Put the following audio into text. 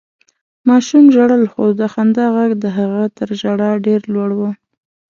ماشوم ژړل، خو د خندا غږ د هغه تر ژړا ډېر لوړ و.